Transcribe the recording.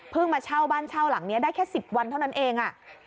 มาเช่าบ้านเช่าหลังนี้ได้แค่๑๐วันเท่านั้นเอง